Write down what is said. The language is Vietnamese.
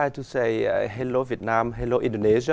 nếu tôi ở trong văn hóa indonesia